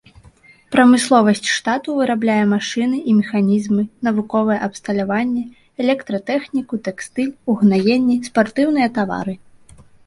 Прамысловасць штату вырабляе машыны і механізмы, навуковае абсталяванне, электратэхніку, тэкстыль, угнаенні, спартыўныя тавары.